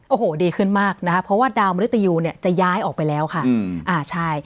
โอ้โหดีขึ้นมากนะคะเพราะว่าดาวมริตยูเนี่ยจะย้ายออกไปแล้วค่ะอืมอ่าใช่